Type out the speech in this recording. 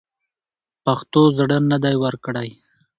پښتنو زړه نه دی ورکړی.